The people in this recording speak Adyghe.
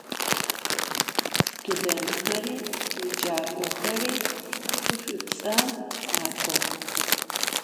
Studêntxeri yêcak'oxeri xı Ş'üts'em mak'ox.